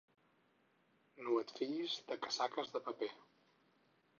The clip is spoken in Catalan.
No et fiïs de casaques de paper.